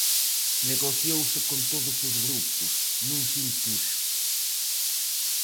Negociouse con todos os grupos, non se impuxo.